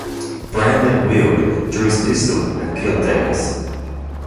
Brann then wheeled, drew his pistol, and killed Davis.